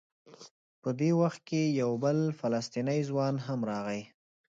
په دې وخت کې یو بل فلسطینی ځوان هم راغی.